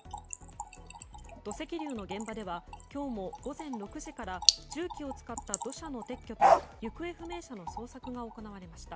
土石流の現場では今日も午前６時から重機を使った土砂の撤去と行方不明の捜索が行われました。